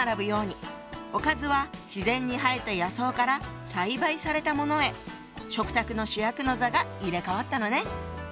おかずは自然に生えた野草から栽培されたものへ食卓の主役の座が入れ代わったのね。